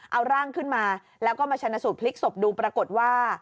เอาร่างขึ้นมาแล้วก็มาชนะสูตรพลิกศพดูปรากฏว่า